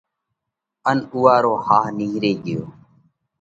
ان اُوئا رو ۿاه نِيهري ڳيو۔